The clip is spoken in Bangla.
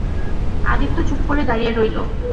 আদিত্য চুপ করে দাঁড়িয়ে রইল।